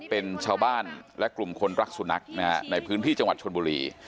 เป็นชาวบ้านและกลุ่มคนรักสุนัขนะฮะในพื้นที่จังหวัดชนบุรี